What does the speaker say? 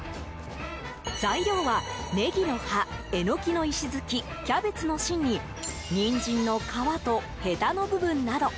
材料はネギの葉エノキの石づき、キャベツの芯にニンジンの皮とヘタの部分など。